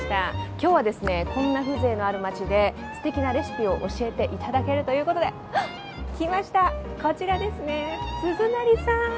今日はこんな風情のある町ですてきなレシピを教えていただけるということで、来ました、こちらですね、鈴なりさん、